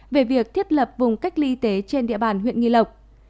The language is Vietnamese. về việc thiết lập vùng cách ly y tế trên địa bàn huyện nghi lộc